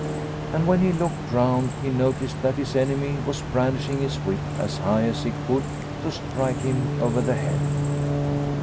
And when he looked round he noticed that his enemy was brandishing his whip as high as he could to strike him over the head.